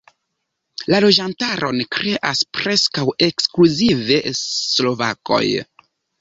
La loĝantaron kreas preskaŭ ekskluzive slovakoj.